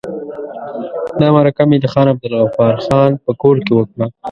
دا مرکه مې د خان عبدالغفار خان په کور کې وکړه.